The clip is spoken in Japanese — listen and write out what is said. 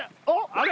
あれ？